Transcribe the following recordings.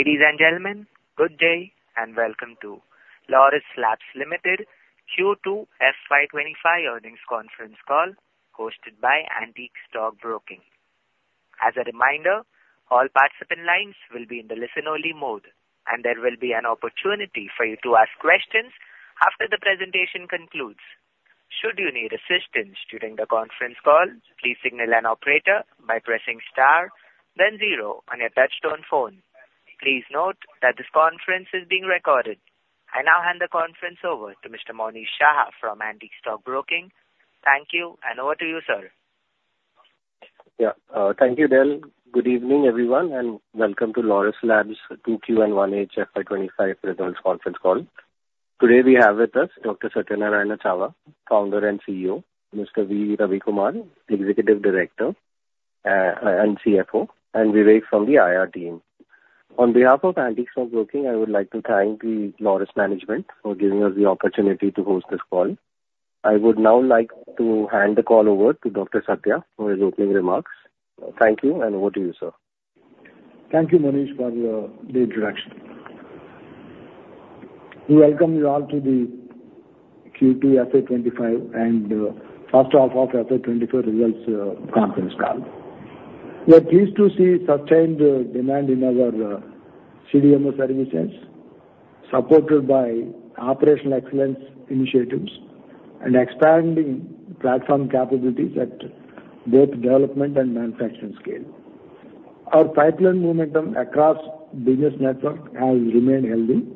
...Ladies and gentlemen, good day, and welcome to Laurus Labs Limited Q2 FY 2025 earnings conference call, hosted by Antique Stock Broking. As a reminder, all participant lines will be in the listen-only mode, and there will be an opportunity for you to ask questions after the presentation concludes. Should you need assistance during the conference call, please signal an operator by pressing star then zero on your touchtone phone. Please note that this conference is being recorded. I now hand the conference over to Mr. Monish Shah from Antique Stock Broking. Thank you, and over to you, sir. Yeah. Thank you, Dale. Good evening, everyone, and welcome to Laurus Labs Q2 and H1 FY 2025 results conference call. Today, we have with us Dr. Satyanarayana Chava, Founder and CEO, Mr. V. Ravikumar, Executive Director and CFO, and Vivek from the IR team. On behalf of Antique Stock Broking, I would like to thank the Laurus management for giving us the opportunity to host this call. I would now like to hand the call over to Dr. Satya for his opening remarks. Thank you, and over to you, sir. Thank you, Monish, for your introduction. We welcome you all to the Q2 FY 2025 and first half of FY 2024 results conference call. We are pleased to see sustained demand in our CDMO services, supported by operational excellence initiatives and expanding platform capabilities at both development and manufacturing scale. Our pipeline momentum across business network has remained healthy,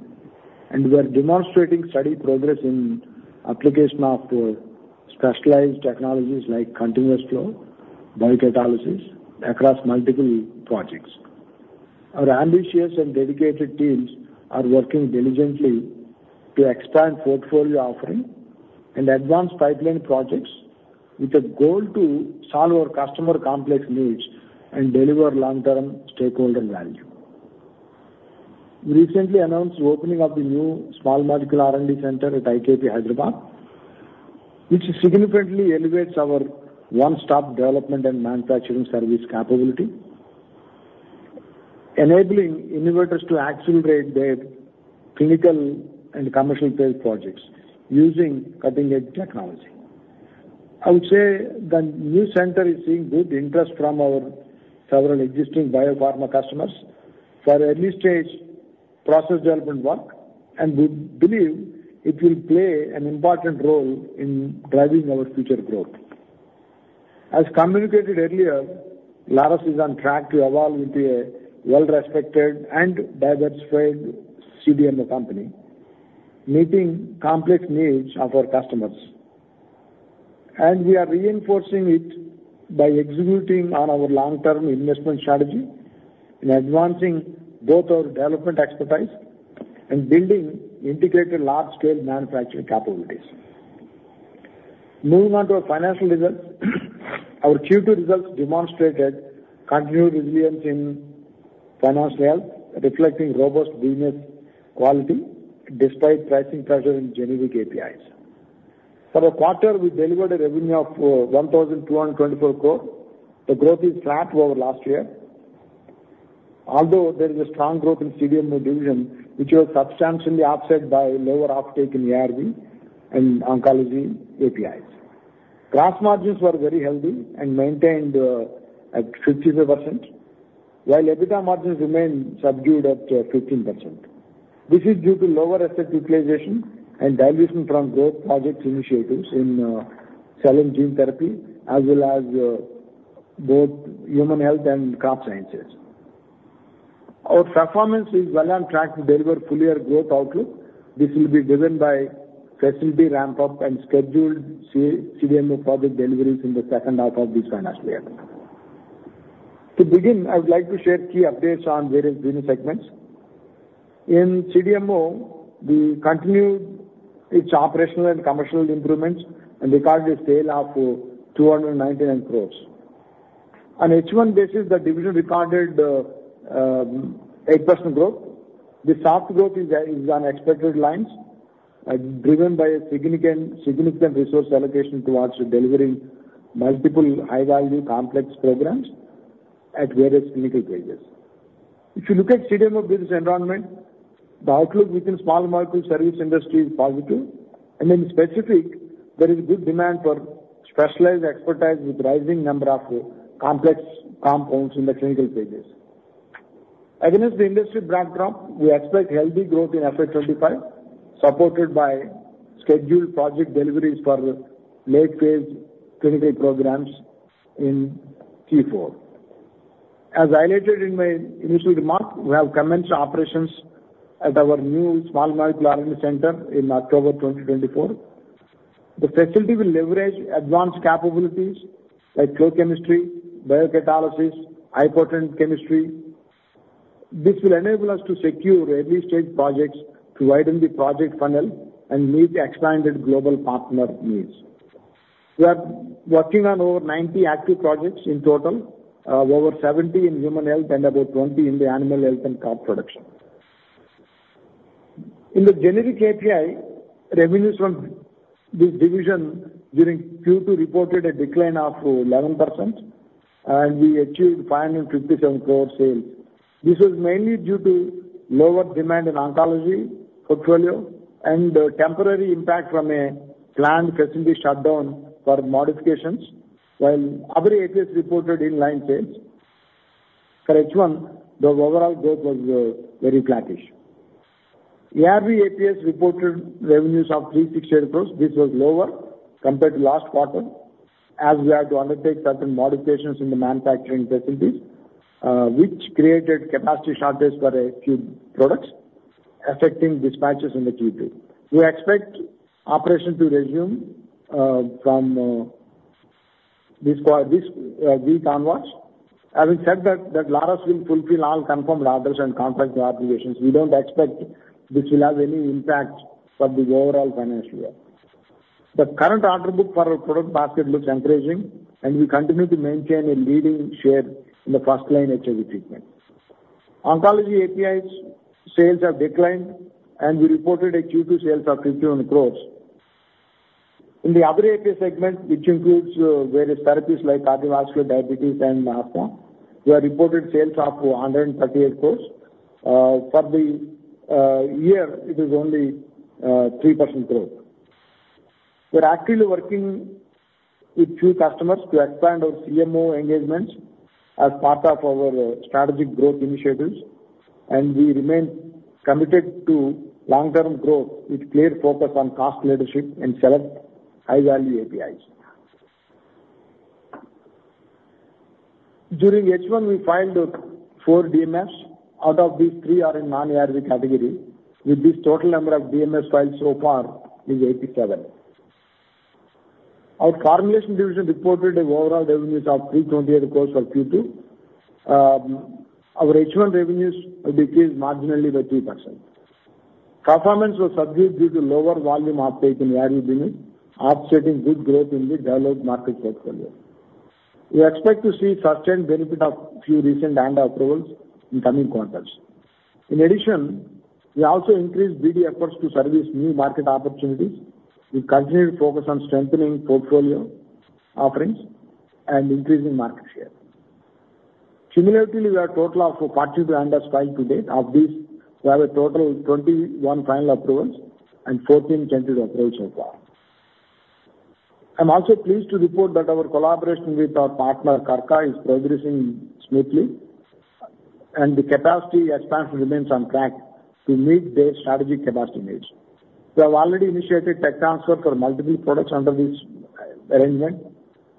and we are demonstrating steady progress in application of specialized technologies like continuous flow, biocatalysis across multiple projects. Our ambitious and dedicated teams are working diligently to expand portfolio offering and advance pipeline projects with a goal to solve our customer complex needs and deliver long-term stakeholder value. We recently announced the opening of the new small molecule R&D center at IKP, Hyderabad, which significantly elevates our one-stop development and manufacturing service capability, enabling innovators to accelerate their clinical and commercial phase projects using cutting-edge technology. I would say the new center is seeing good interest from our several existing biopharma customers for early-stage process development work, and we believe it will play an important role in driving our future growth. As communicated earlier, Laurus is on track to evolve into a well-respected and diversified CDMO company, meeting complex needs of our customers, and we are reinforcing it by executing on our long-term investment strategy in advancing both our development expertise and building integrated large-scale manufacturing capabilities. Moving on to our financial results, our Q2 results demonstrated continued resilience in financial health, reflecting robust business quality despite pricing pressure in generic APIs. For the quarter, we delivered a revenue of 1,224 crore. The growth is flat over last year, although there is a strong growth in CDMO division, which was substantially offset by lower uptake in ARV and oncology APIs. Gross margins were very healthy and maintained at 54%, while EBITDA margins remained subdued at 15%. This is due to lower asset utilization and dilution from growth project initiatives in cell and gene therapy, as well as both human health and crop sciences. Our performance is well on track to deliver full year growth outlook. This will be driven by facility ramp-up and scheduled CDMO project deliveries in the second half of this financial year. To begin, I would like to share key updates on various business segments. In CDMO, we continued its operational and commercial improvements and recorded a sale of 299 crore. On H1 basis, the division recorded 8% growth. The soft growth is on expected lines, driven by a significant resource allocation towards delivering multiple high-value complex programs at various clinical phases. If you look at CDMO business environment, the outlook within small molecule service industry is positive, and in specific, there is good demand for specialized expertise with rising number of complex compounds in the clinical phases. Against the industry backdrop, we expect healthy growth in FY 2025, supported by scheduled project deliveries for late-phase clinical programs in Q4. As highlighted in my initial remark, we have commenced operations at our new small molecule R&D center in October 2024. The facility will leverage advanced capabilities like flow chemistry, biocatalysis, high-potent chemistry. This will enable us to secure early-stage projects to widen the project funnel and meet the expanded global partner needs. We are working on over 90 active projects in total, over 70 in human health and about 20 in the animal health and crop production. In the generic API, revenues from this division during Q2 reported a decline of 11%, and we achieved 557 crore sales. This was mainly due to lower demand in oncology portfolio and temporary impact from a planned facility shutdown for modifications, while other APIs reported in-line sales. For H1, the overall growth was very flattish. ARV APIs reported revenues of 368 crore. This was lower compared to last quarter, as we had to undertake certain modifications in the manufacturing facilities, which created capacity shortage for a few products, affecting dispatches in the Q2. We expect operation to resume from this week onwards. Having said that, Laurus will fulfill all confirmed orders and contract obligations. We don't expect this will have any impact for the overall financial year. The current order book for our product basket looks encouraging, and we continue to maintain a leading share in the first-line HIV treatment. Oncology APIs sales have declined, and we reported Q2 sales of 51 crore. In the other API segment, which includes various therapies like cardiovascular, diabetes, and asthma, we have reported sales of 138 crore. For the year, it is only 3% growth. We're actively working with few customers to expand our CMO engagements as part of our strategic growth initiatives, and we remain committed to long-term growth with clear focus on cost leadership and select high-value APIs. During H1, we filed four DMFs. Out of these, three are in non-ARV category. With this, total number of DMFs files so far is 87. Our formulation division reported an overall revenues of 328 crore for Q2. Our H1 revenues decreased marginally by 2%. Performance was subdued due to lower volume uptake in ARV units, offsetting good growth in the developed market portfolio. We expect to see sustained benefit of few recent ANDA approvals in coming quarters. In addition, we also increased BD efforts to service new market opportunities. We continue to focus on strengthening portfolio offerings and increasing market share. Similarly, we have total of 40 ANDAs filed to date. Of these, we have a total of 21 final approvals and 14 tentative approvals so far. I'm also pleased to report that our collaboration with our partner, Krka, is progressing smoothly, and the capacity expansion remains on track to meet their strategic capacity needs. We have already initiated tech transfer for multiple products under this, arrangement,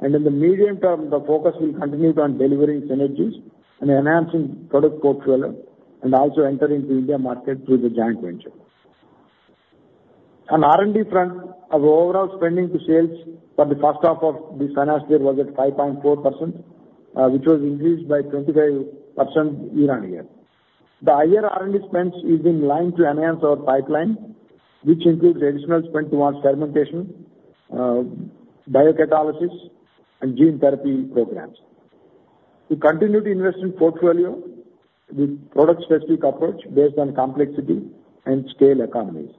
and in the medium term, the focus will continue on delivering synergies and enhancing product portfolio, and also entering into India market through the joint venture. On R&D front, our overall spending to sales for the first half of this financial year was at 5.4%, which was increased by 25% year-on-year. The higher R&D spends is in line to enhance our pipeline, which includes additional spend towards fermentation, biocatalysis, and gene therapy programs. We continue to invest in portfolio with product-specific approach based on complexity and scale economies.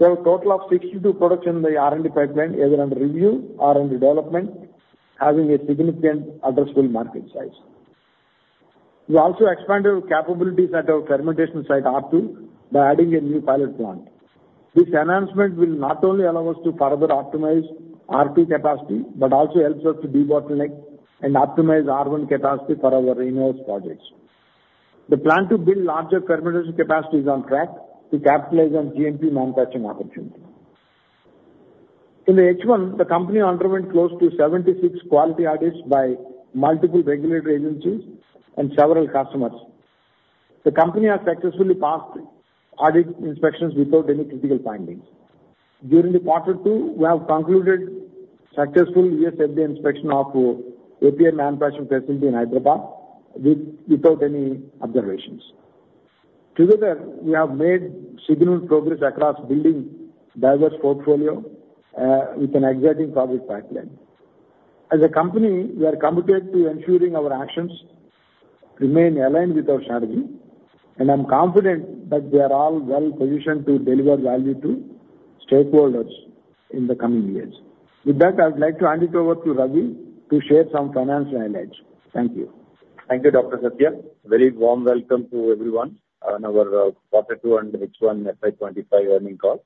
We have a total of sixty-two products in the R&D pipeline, either under review R&D development, having a significant addressable market size. We also expanded our capabilities at our fermentation site, R2, by adding a new pilot plant. This enhancement will not only allow us to further optimize R2 capacity, but also helps us to debottleneck and optimize R1 capacity for our renewed projects. The plan to build larger fermentation capacity is on track to capitalize on GMP manufacturing opportunities. In the H1, the company underwent close to seventy-six quality audits by multiple regulatory agencies and several customers. The company has successfully passed audit inspections without any critical findings. During the quarter two, we have concluded successful US FDA inspection of API manufacturing facility in Hyderabad without any observations. Together, we have made significant progress across building diverse portfolio, with an exciting product pipeline. As a company, we are committed to ensuring our actions remain aligned with our strategy, and I'm confident that we are all well-positioned to deliver value to stakeholders in the coming years. With that, I would like to hand it over to Ravi to share some financial highlights. Thank you. Thank you, Dr. Satya. Very warm welcome to everyone on our quarter two and H1 FY 2025 earnings call.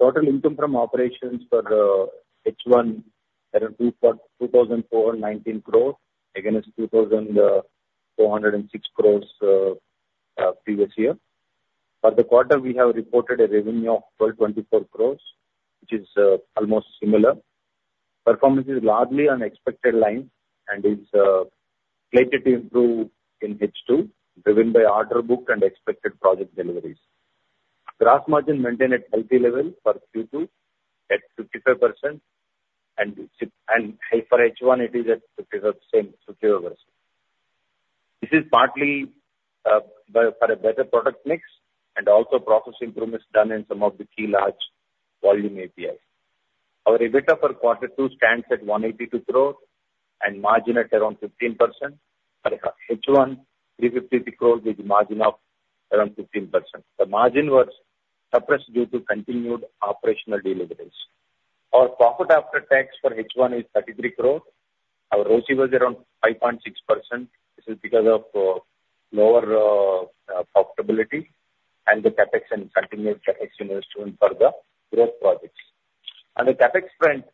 Total income from operations for H1 are at 2,419 crore, against 2,406 crore previous year. For the quarter, we have reported a revenue of 1,224 crore, which is almost similar. Performance is largely on expected lines and is slated to improve in H2, driven by order book and expected project deliveries. Gross margin maintained at healthy level for Q2, at 55%, and for H1, it is at 55%, same, 55%. This is partly by a better product mix and also process improvements done in some of the key large volume APIs. ...Our EBITDA for quarter two stands at 182 crore and margin at around 15%. For H1, 353 crore with margin of around 15%. The margin was suppressed due to continued operational deleverage. Our profit after tax for H1 is 33 crore. Our ROCE was around 5.6%. This is because of lower profitability and the CapEx and continued CapEx investment for the growth projects. On the CapEx front,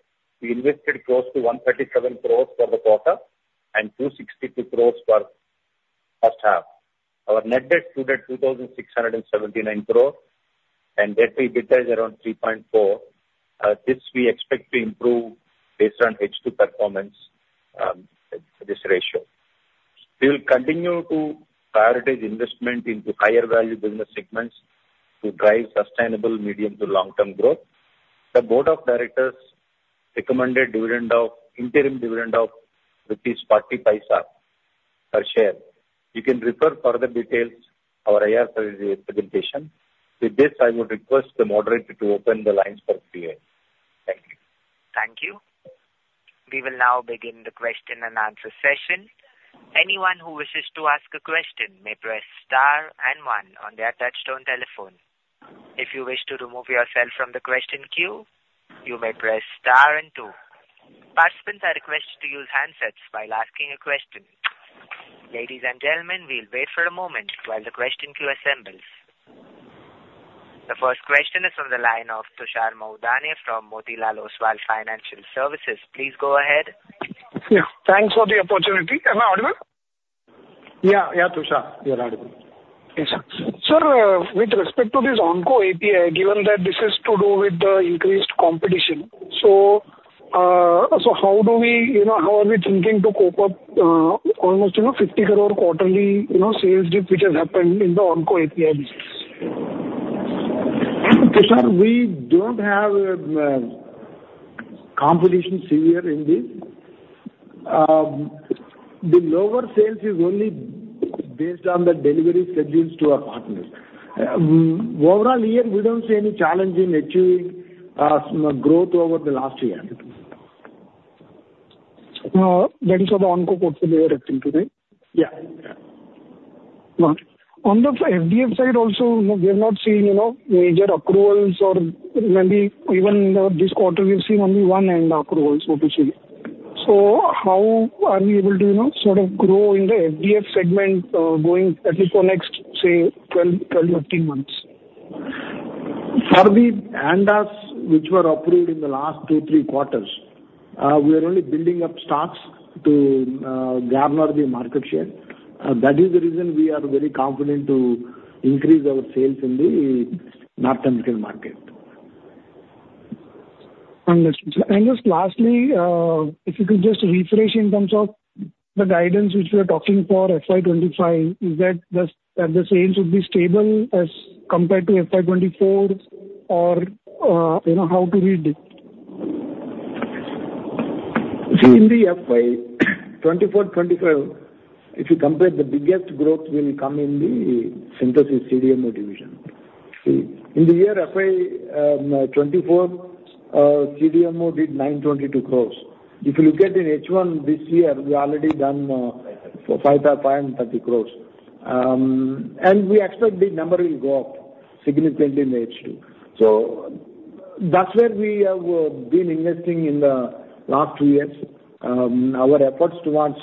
we invested close to 137 crore for the quarter and 262 crore for first half. Our net debt stood at 2,679 crore, and debt to EBITDA is around 3.4. This we expect to improve based on H2 performance, this ratio. We will continue to prioritize investment into higher value business segments to drive sustainable medium to long-term growth. The board of directors recommended dividend of, interim dividend of 0.40 per share. You can refer further details our IR presentation. With this, I would request the moderator to open the lines for Q&A. Thank you. Thank you. We will now begin the question and answer session. Anyone who wishes to ask a question may press star and one on their touchtone telephone. If you wish to remove yourself from the question queue, you may press star and two. Participants are requested to use handsets while asking a question. Ladies and gentlemen, we'll wait for a moment while the question queue assembles. The first question is from the line of Tushar Manudhane from Motilal Oswal Financial Services. Please go ahead. Yeah, thanks for the opportunity. Am I audible? Yeah, yeah, Tushar, you are audible. Yes, sir. Sir, with respect to this onco API, given that this is to do with the increased competition, so, how do we, you know, how are we thinking to cope up, almost, you know, 50 crore quarterly, you know, sales dip, which has happened in the onco API business? Tushar, we don't have, competition severe in this. The lower sales is only based on the delivery schedules to our partners. Overall year, we don't see any challenge in achieving, growth over the last year. That is of the onco portfolio, I think, today? Yeah. Yeah. Got it. On the FDF side also, we have not seen, you know, major accruals or maybe even in this quarter, we've seen only one ANDA accruals officially. So how are we able to, you know, sort of grow in the FDF segment, going at least for next, say, twelve or fifteen months? For the ANDAs which were approved in the last two, three quarters, we are only building up stocks to garner the market share. That is the reason we are very confident to increase our sales in the non-technical market. Understood. And just lastly, if you could just refresh in terms of the guidance which we are talking for FY 2025, is that the sales will be stable as compared to FY 2024, or, you know, how to read it? See, in the FY 2024, 2025, if you compare, the biggest growth will come in the synthesis CDMO division. See, in the year FY 2024, CDMO did 922 crore. If you look at in H1 this year, we already done 553 crore. And we expect the number will go up significantly in the H2. So that's where we have been investing in the last two years. Our efforts towards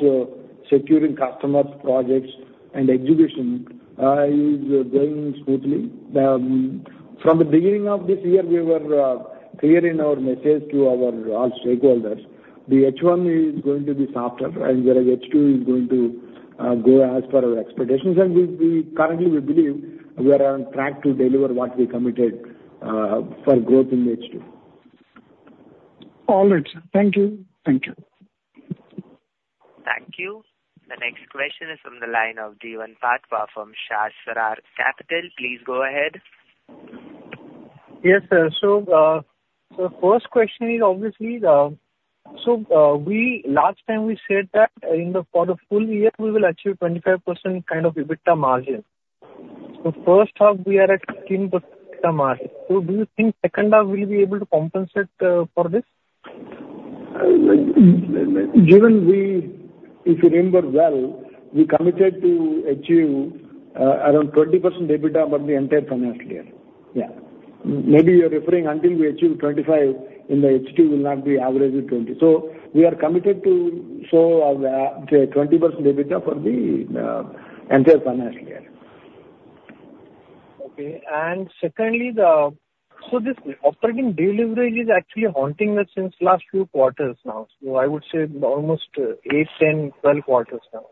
securing customers, projects, and execution is going smoothly. From the beginning of this year, we were clear in our message to our all stakeholders, the H1 is going to be softer and whereas H2 is going to go as per our expectations. And we, we currently, we believe we are on track to deliver what we committed for growth in H2. All right, sir. Thank you. Thank you. Thank you. The next question is from the line of Jeevan Patwa from Sahasrar Capital. Please go ahead. Yes, sir. So first question is obviously, so we last time said that for the full year, we will achieve 25% kind of EBITDA margin. So first half, we are at 15% EBITDA margin. So do you think second half we'll be able to compensate for this? Given we... If you remember well, we committed to achieve around 20% EBITDA about the entire financial year. Yeah. Maybe you're referring until we achieve 25%, in the H2 will not be averaging 20%. So we are committed to show, say, 20% EBITDA for the entire financial year. Okay. And secondly, the, so this operating deleverage is actually haunting us since last few quarters now. So I would say almost, eight, ten, twelve quarters now.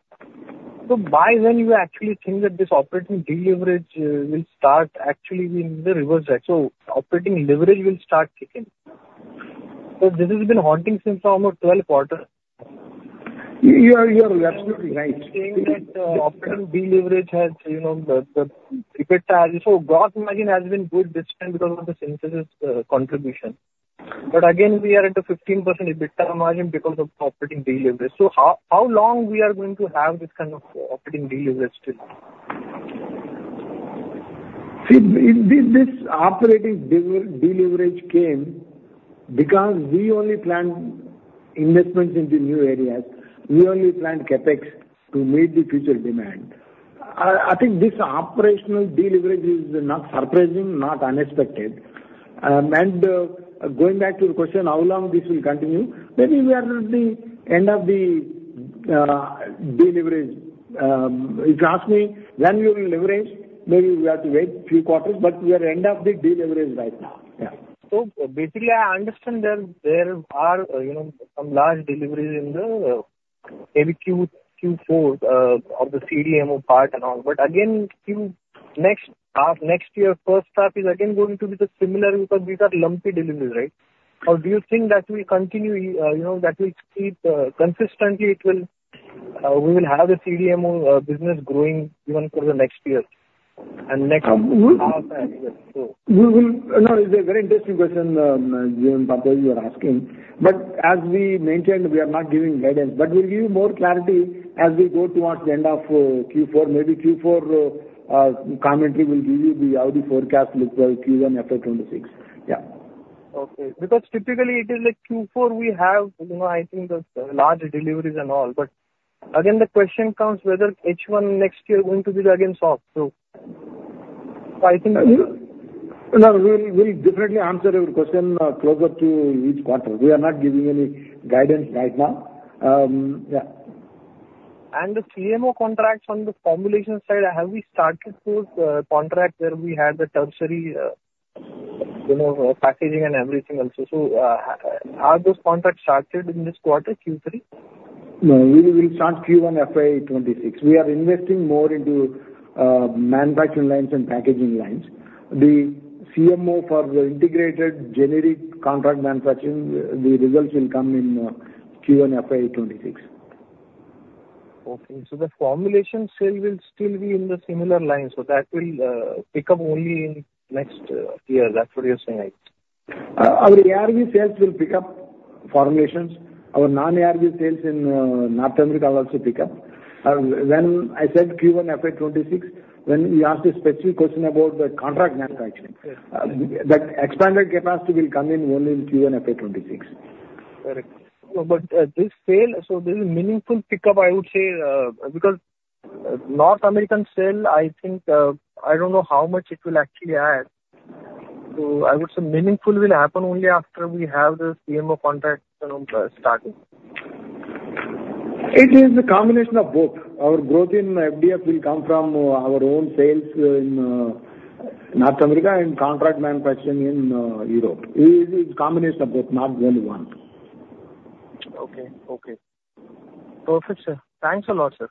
So by when you actually think that this operating deleverage will start actually being the reverse, right, so operating leverage will start kicking? So this has been haunting since almost twelve quarters. You are absolutely right. Seeing that operating deleverage has, you know, the EBITDA, so gross margin has been good this time because of the synthesis contribution. But again, we are into 15% EBITDA margin because of operating deleverage. So how long we are going to have this kind of operating deleverage still?... See, in this, this operating deleverage came because we only planned investments into new areas. We only planned CapEx to meet the future demand. I think this operational deleverage is not surprising, not unexpected, and going back to your question, how long this will continue, maybe we are at the end of the deleverage. If you ask me when we will leverage, maybe we have to wait few quarters, but we are end of the deleverage right now. Yeah. So basically, I understand there are, you know, some large deliveries in the maybe Q4 of the CDMO part and all. But again, Q1 next year, first half is again going to be the similar because these are lumpy deliveries, right? Or do you think that will continue, you know, that will keep consistently it will we will have the CDMO business growing even for the next year and next half and year, so? No, it's a very interesting question, Param, you are asking, but as we mentioned, we are not giving guidance. But we'll give you more clarity as we go towards the end of Q4. Maybe Q4 commentary will give you how the forecast looks like Q1 FY 2026. Yeah. Okay. Because typically it is like Q4, we have, you know, I think the large deliveries and all, but again, the question comes whether H1 next year going to be again soft, so I think- No, we'll definitely answer your question closer to each quarter. We are not giving any guidance right now. Yeah. And the CMO contracts on the formulation side, have we started those contracts where we had the tertiary, you know, packaging and everything also? So, have those contracts started in this quarter, Q3? No, we will start Q1 FY 2026. We are investing more into manufacturing lines and packaging lines. The CMO for the integrated generic contract manufacturing, the results will come in Q1 FY 2026 Okay. So the formulation sale will still be in the similar line, so that will pick up only in next year. That's what you're saying, right? Our ARV sales will pick up formulations. Our non-ARV sales in North America will also pick up. When I said Q1 FY 2026, when you asked a specific question about the contract manufacturing. Yes. That expanded capacity will come in only in Q1 FY 2026. Correct. But this sales, so there's a meaningful pickup, I would say, because North American sales, I think. I don't know how much it will actually add. So I would say meaningful will happen only after we have this CMO contract, you know, starting. It is a combination of both. Our growth in FDF will come from our own sales in North America and contract manufacturing in Europe. It is a combination of both, not only one. Okay. Okay. Perfect, sir. Thanks a lot, sir.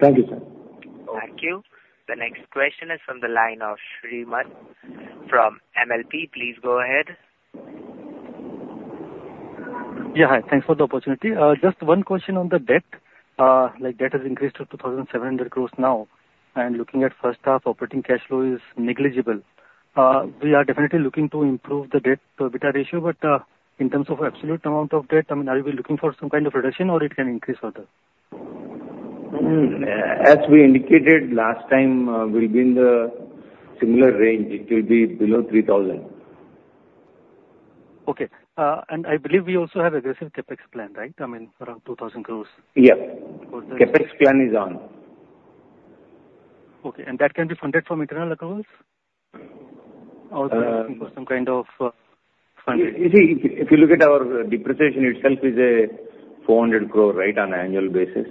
Thank you, sir. Thank you. The next question is from the line of Shrimant from MLP. Please go ahead. Yeah, hi. Thanks for the opportunity. Just one question on the debt. Like, debt has increased to 2,700 crore now, and looking at first half, operating cash flow is negligible. We are definitely looking to improve the debt-to-EBITDA ratio, but, in terms of absolute amount of debt, I mean, are you looking for some kind of reduction, or it can increase further? As we indicated last time, we'll be in the similar range. It will be below three thousand. Okay, and I believe we also have aggressive CapEx plan, right? I mean, around 2,000 crore. Yeah. Of course, CapEx plan is on. Okay, and that can be funded from internal accruals? Uh- Or some kind of funding. You see, if you look at our depreciation itself is 400 crore, right, on an annual basis.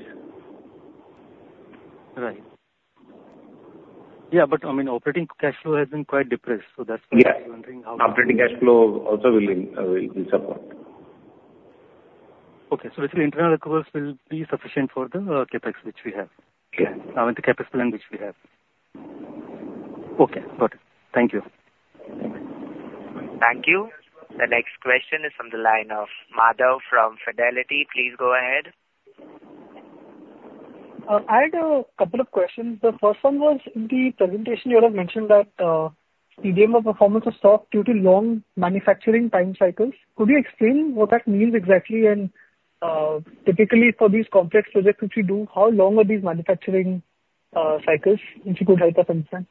Right. Yeah, but, I mean, operating cash flow has been quite depressed, so that's why- Yeah. I'm wondering how Operating cash flow also will be support. Okay, so basically, internal accruals will be sufficient for the CapEx which we have. Yeah. With the CapEx plan which we have. Okay, got it. Thank you. Thank you. The next question is from the line of Madhav from Fidelity. Please go ahead. I had a couple of questions. The first one was, in the presentation, you have mentioned that, CDMO performance was soft due to long manufacturing time cycles. Could you explain what that means exactly? And, typically for these complex projects which you do, how long are these manufacturing, cycles, if you could help us understand?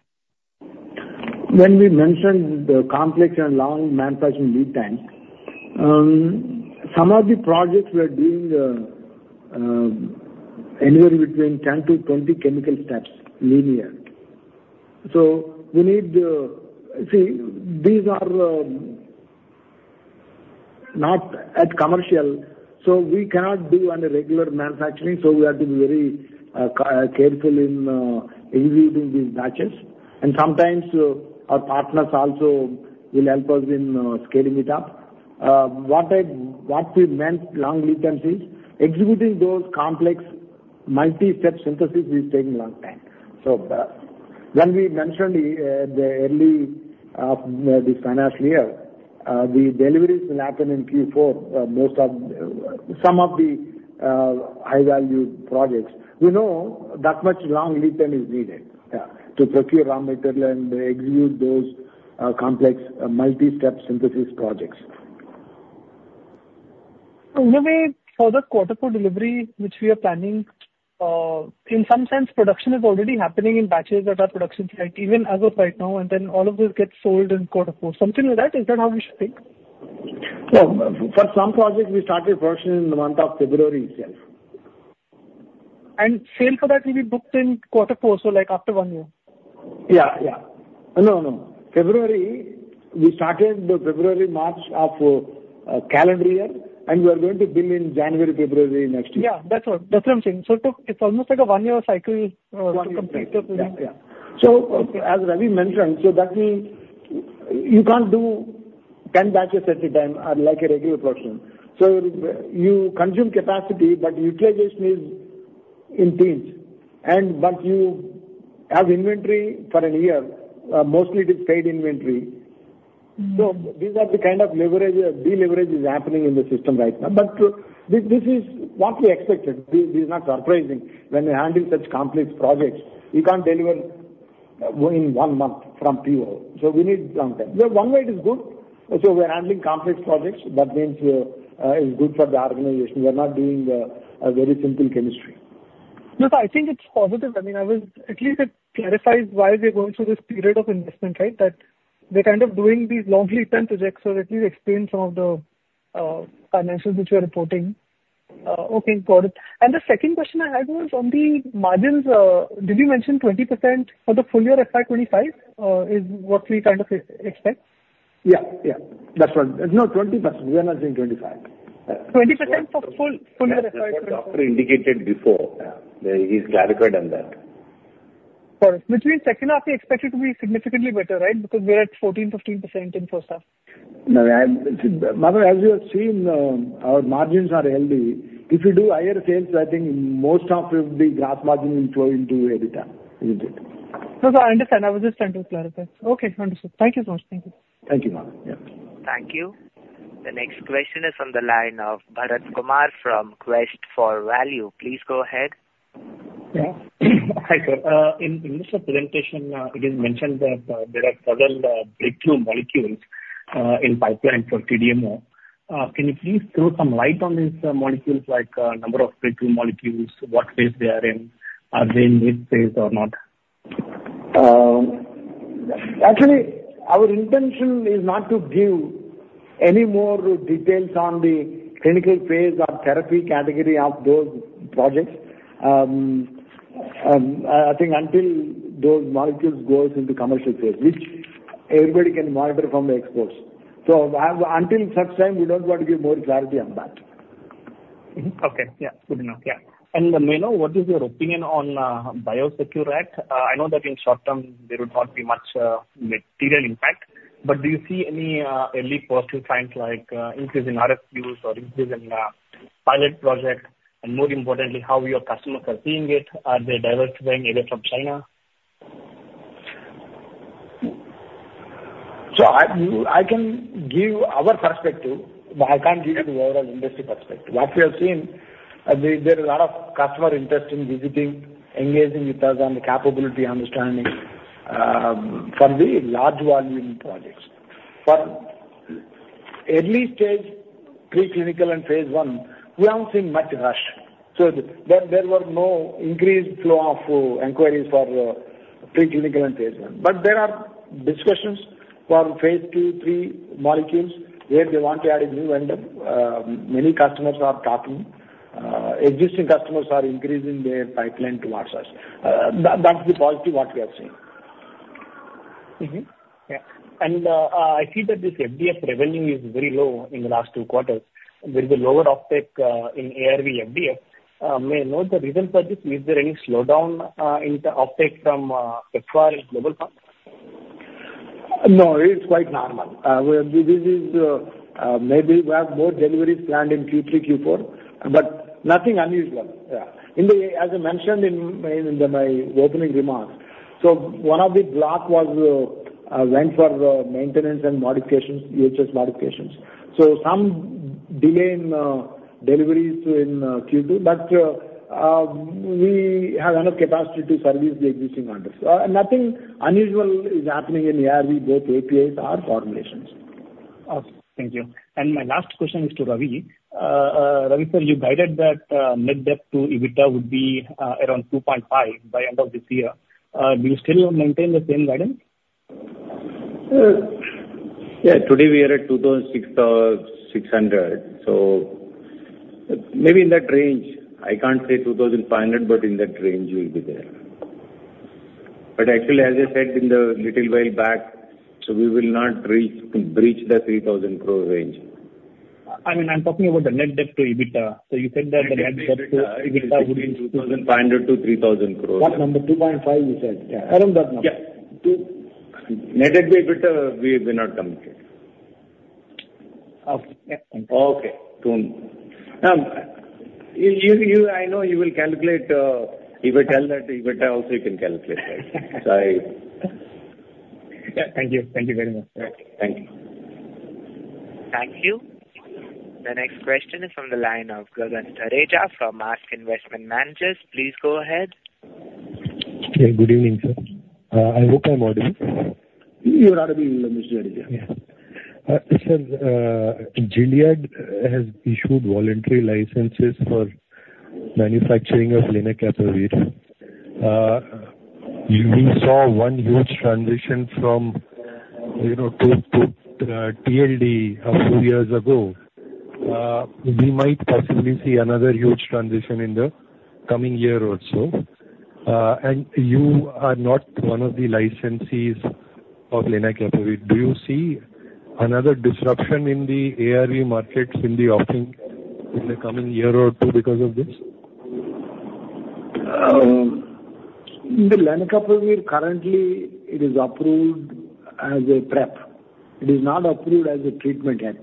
When we mentioned the complex and long manufacturing lead time, some of the projects were doing anywhere between 10-20 chemical steps, linear. So we need. See, these are not at commercial, so we cannot do on a regular manufacturing. So we have to be very careful in executing these batches. And sometimes our partners also will help us in scaling it up. What we meant long lead times is, executing those complex multi-step synthesis is taking a long time. So, when we mentioned the early financial year, the deliveries will happen in Q4. Some of the high-value projects, we know that much long lead time is needed, yeah, to procure raw material and execute those complex multi-step synthesis projects.... So in a way, for the quarter four delivery, which we are planning, in some sense production is already happening in batches at our production site, even as of right now, and then all of this gets sold in quarter four. Something like that? Is that how we should think? No, for some projects, we started production in the month of February itself. Sale for that will be booked in quarter four, so like after one year? Yeah, yeah. No, no. February, we started February, March of, calendar year, and we are going to bill in January, February next year. Yeah, that's what, that's what I'm saying. So it took. It's almost like a one-year cycle. One year. to complete the building. Yeah, yeah. So as Ravi mentioned, so that means you can't do ten batches at a time, like a regular production. So you consume capacity, but utilization is in teens. And but you have inventory for a year, mostly it is paid inventory. Mm-hmm. So these are the kind of leverage deleverage is happening in the system right now. But this is what we expected. This is not surprising. When you're handling such complex projects, you can't deliver in one month from PO, so we need some time. So one way it is good. So we're handling complex projects, that means it's good for the organization. We are not doing a very simple chemistry. No, I think it's positive. I mean, at least it clarifies why we are going through this period of investment, right? That we're kind of doing these long lead time projects, so at least explain some of the financials which you are reporting. Okay, got it. And the second question I had was on the margins. Did you mention 20% for the full year effect 25%, is what we kind of expect? Yeah, yeah. That's right. No, 20%, we are not saying 25. 20% for full year effect? That's what Doctor indicated before. He's clarified on that. Got it. Which means second half you expect it to be significantly better, right? Because we're at 14-15% in first half. No, Madhav, as you have seen, our margins are healthy. If you do higher sales, I think most of the gross margin will flow into EBITDA, isn't it? No, no, I understand. I was just trying to clarify. Okay, understood. Thank you so much. Thank you. Thank you, Madhav. Yeah. Thank you. The next question is on the line of Bharat Kumar from Quest for Value. Please go ahead. Yeah. Hi, sir. In this presentation, it is mentioned that there are several breakthrough molecules in pipeline for CDMO. Can you please throw some light on these molecules, like number of breakthrough molecules, what phase they are in? Are they in mid-phase or not? Actually, our intention is not to give any more details on the clinical phase or therapy category of those projects. I think until those molecules goes into commercial phase, which everybody can monitor from the exports. So until such time, we don't want to give more clarity on that. Mm-hmm. Okay. Yeah, good enough. Yeah. And, may I know, what is your opinion on Biosecure Act? I know that in short term there would not be much material impact, but do you see any early positive signs like increase in RFQs or increase in pilot projects? And more importantly, how your customers are seeing it. Are they diversifying away from China? So I can give our perspective, but I can't give you the overall industry perspective. What we have seen, there is a lot of customer interest in visiting, engaging with us on the capability understanding, from the large volume projects. For early stage, preclinical and phase I, we haven't seen much rush. So there were no increased flow of inquiries for preclinical and phase I. But there are discussions for phase II, III molecules, where they want to add a new vendor. Many customers are talking. Existing customers are increasing their pipeline towards us. That's the positive, what we are seeing. Mm-hmm. Yeah, and I see that this FDF revenue is very low in the last two quarters. With the lower offtake in ARV FDF, may I know, the reason for this, is there any slowdown in the offtake from KRKA and Global Fund? No, it's quite normal. Maybe we have more deliveries planned in Q3, Q4, but nothing unusual. Yeah. As I mentioned in my opening remarks, one of the block went for maintenance and modifications, EHS modifications. So some delay in deliveries in Q2, but we have enough capacity to service the existing orders. Nothing unusual is happening in ARV, both APIs or formulations. Okay. Thank you. And my last question is to Ravi. Ravi, sir, you guided that net debt-to-EBITDA would be around 2.5 by end of this year. Do you still maintain the same guidance? Yeah, today we are at 2,600, so maybe in that range. I can't say 2,500, but in that range we'll be there, but actually, as I said a little while back, so we will not reach, breach the 3,000 crore range. I mean, I'm talking about the net debt to EBITDA. So you said that the net debt to EBITDA- Net Debt-to-EBITDA, I think, 2,500 crore to INR 3,000 crore. What number? Two point five, you said. Yeah. Around that number. Yeah. Net debt-to-EBITDA, we not commented. Okay. Yeah, thank you. Okay, cool. I know you will calculate if I tell that EBITDA also you can calculate that. So I- Yeah. Thank you. Thank you very much. Okay. Thank you. Thank you. The next question is from the line of Gagan Thareja from ASK Investment Managers. Please go ahead.... Yeah, good evening, sir. I hope I'm audible. You are audible, Mr. Aditya. Yeah. Sir, Gilead has issued voluntary licenses for manufacturing of lenacapavir. We saw one huge transition from, you know, to TLD a few years ago. We might possibly see another huge transition in the coming year or so, and you are not one of the licensees of lenacapavir. Do you see another disruption in the ARV markets in the offing in the coming year or two because of this? The lenacapavir currently, it is approved as a PrEP. It is not approved as a treatment yet.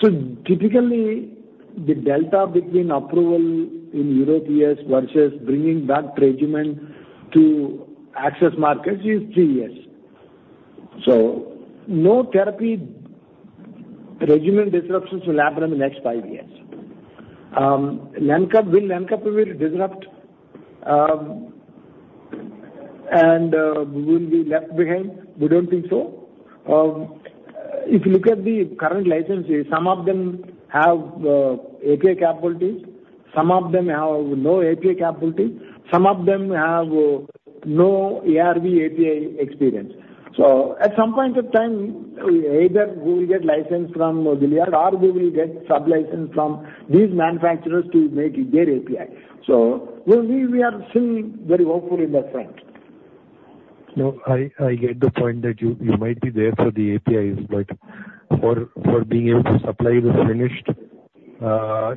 So typically, the delta between approval in Europe, U.S. versus bringing that regimen to access markets is three years. So no therapy regimen disruptions will happen in the next five years. Will lenacapavir disrupt, and we will be left behind? We don't think so. If you look at the current licensees, some of them have API capabilities, some of them have no API capabilities, some of them have no ARV API experience. So at some point of time, we either will get license from Gilead or we will get sub-license from these manufacturers to make their API. So we are still very hopeful in that front. No, I get the point that you might be there for the APIs, but for being able to supply the finished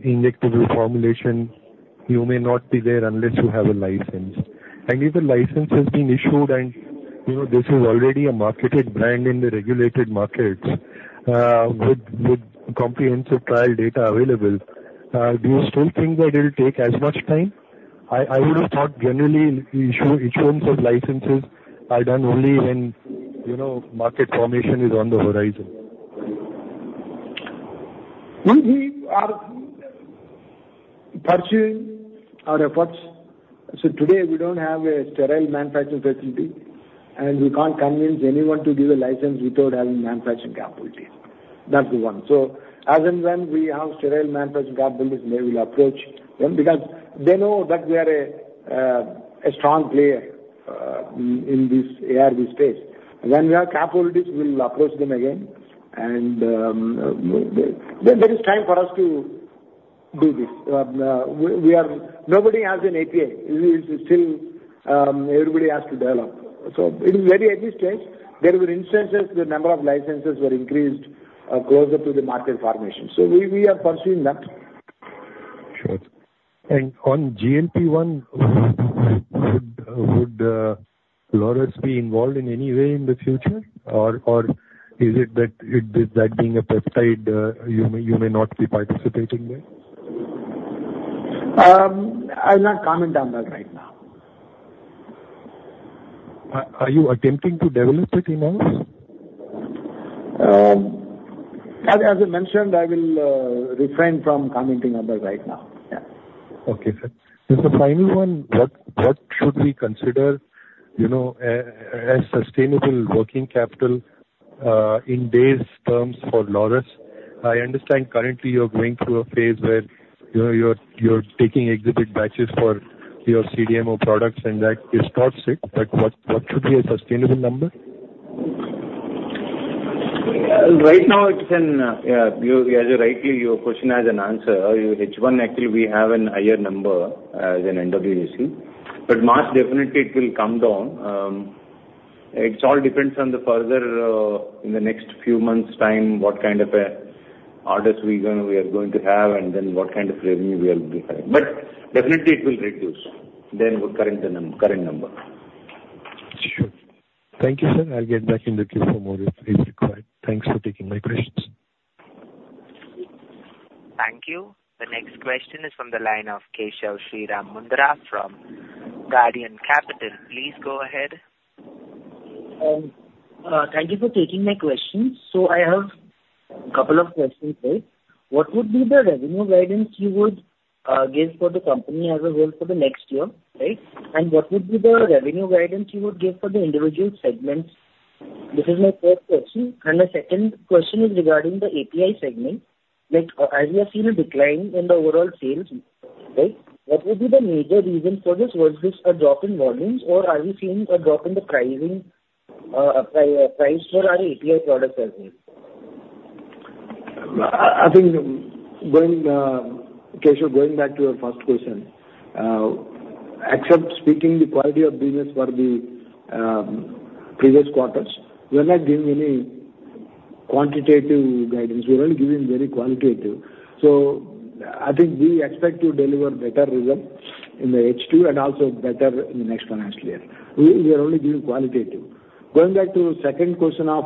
injectable formulation, you may not be there unless you have a license. And if the license has been issued and, you know, this is already a marketed brand in the regulated markets, with comprehensive trial data available, do you still think that it will take as much time? I would have thought generally issuance of licenses are done only when, you know, market formation is on the horizon. We are pursuing our efforts. So today, we don't have a sterile manufacturing facility, and we can't convince anyone to give a license without having manufacturing capabilities. That's the one. So as and when we have sterile manufacturing capabilities, then we'll approach them, because they know that we are a strong player in this ARV space. When we have capabilities, we'll approach them again, and then there is time for us to do this. Nobody has an API. It is still, everybody has to develop. So it is very early stage. There were instances the number of licenses were increased, closer to the market formation. So we are pursuing that. Sure. And on GMP one, would Laurus be involved in any way in the future? Or is it that it, that being a pesticide, you may not be participating there? I'll not comment on that right now. Are you attempting to develop it in-house? As I mentioned, I will refrain from commenting on that right now. Yeah. Okay, sir. Just a final one: What should we consider, you know, as sustainable working capital in days terms for Laurus? I understand currently you're going through a phase where, you know, you're taking exhibit batches for your CDMO products, and that is not sustainable, but what should be a sustainable number? Right now, it can, yeah, you, as you rightly, your question has an answer. H1, actually, we have a higher number as an NWC, but March, definitely it will come down. It all depends on the further, in the next few months' time, what kind of, orders we're gonna, we are going to have, and then what kind of revenue we are going to be having. But definitely it will reduce than the current current number. Sure. Thank you, sir. I'll get back in the queue for more if it's required. Thanks for taking my questions. Thank you. The next question is from the line of Keshav Sriramamurthy from Guardian Capital. Please go ahead. Thank you for taking my question. So I have a couple of questions here. What would be the revenue guidance you would give for the company as a whole for the next year, right? And what would be the revenue guidance you would give for the individual segments? This is my first question. And my second question is regarding the API segment. Like, as we have seen a decline in the overall sales, right, what would be the major reason for this? Was this a drop in volumes, or are we seeing a drop in the pricing, price for our API products as well? I think, going back to your first question, Keshav, barring the seasonality of business for the previous quarters, we are not giving any quantitative guidance. We're only giving very qualitative. So I think we expect to deliver better results in the H2 and also better in the next financial year. We are only giving qualitative. Going back to the second question on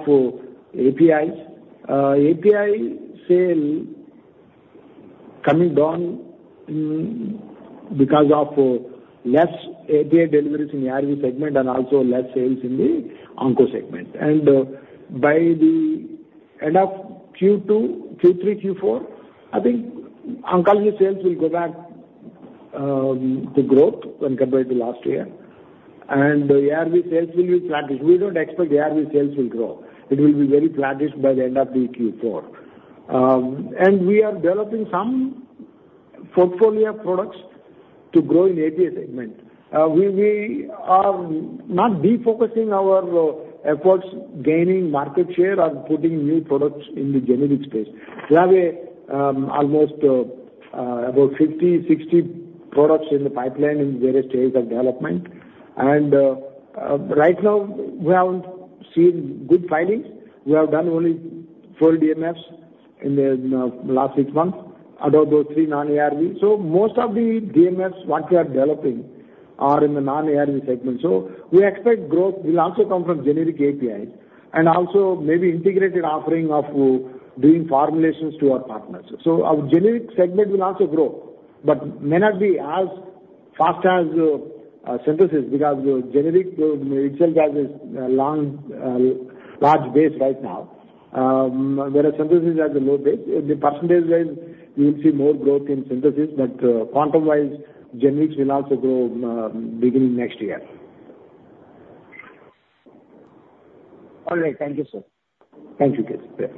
APIs. API sales coming down because of less API deliveries in ARV segment and also less sales in the onco segment. And by the end of Q2, Q3, Q4, I think Oncology sales will go back to growth when compared to last year, and the ARV sales will be flattish. We don't expect ARV sales will grow. It will be very flattish by the end of the Q4. And we are developing some portfolio products to grow in API segment. We are not defocusing our efforts gaining market share or putting new products in the generic space. We have almost about 50-60 products in the pipeline in various stages of development. Right now, we haven't seen good filings. We have done only four DMFs in the last six months, out of those, three non-ARV. So most of the DMFs what we are developing are in the non-ARV segment. So we expect growth will also come from generic APIs, and also maybe integrated offering of doing formulations to our partners. So our generic segment will also grow, but may not be as fast as synthesis, because the generic itself has a long large base right now, whereas synthesis has a low base. The percentage-wise, you will see more growth in synthesis, but, quantum-wise, generics will also grow, beginning next year. All right. Thank you, sir. Thank you, Keshav.